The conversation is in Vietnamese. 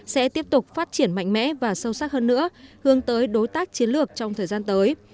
sẽ tiếp tục phát triển mạnh mẽ và sâu sắc hơn nữa hướng tới đối tác chiến lược trong thời gian tới